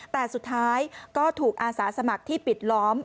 แต่สุดท้ายก็ถูกอาสาสมัครที่ปิดล้อม